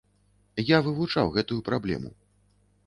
Я вывучаў гэтую праблему.